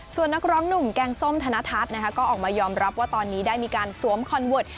ส่วนนักร้องหนุ่มแกงส้มธนทัศน์ก็ออกมายอมรับว่าตอนนี้ได้มีการสวมคอนเวิร์ต